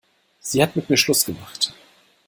Sie hat mit mir Schluss gemacht.